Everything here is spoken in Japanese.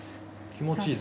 気持ちいい。